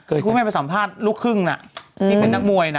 คุณแม่ไปสัมภาษณ์ลูกครึ่งนะที่เป็นนักมวยนะ